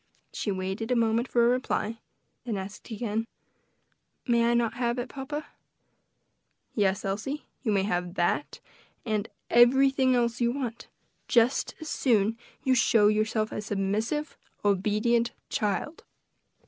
She waited a moment for a reply; then asked again, "May I not have it, papa?" "Yes, Elsie, you may have that, and everything else you want, just as soon as you show yourself a submissive, obedient child."